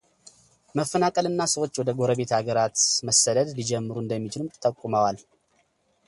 መፈናቀል እና ሰዎች ወደ ጎረቤት አገራት መሰደድ ሊጀምሩ እንደሚችሉም ጠቁመዋል።